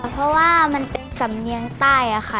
เพราะว่ามันเป็นสำเนียงใต้ค่ะ